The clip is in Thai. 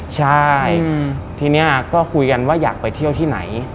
ใช่ทีนี้ก็คุยกันว่าอยากไปเที่ยวที่ไหน